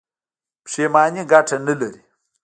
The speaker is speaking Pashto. پښیماني ګټه نلري.